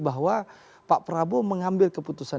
bahwa pak prabowo itu adalah seorang yang berpengalaman